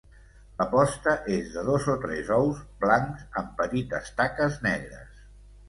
La posta és de dos o tres ous, blancs amb petites taques negres.